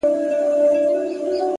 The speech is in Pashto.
یوه ورځ لاري جلا سوې د یارانو-